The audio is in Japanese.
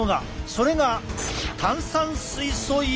それが炭酸水素イオン。